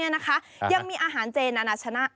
ยังมีอาหารเจนาชนะ